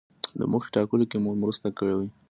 د موخې ټاکلو کې مو مرسته کوي.